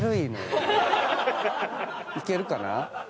いけるかな？